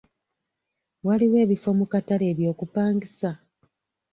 Waliwo ebifo mu katale eby'okupangisa?